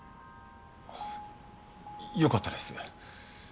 あっよかったです。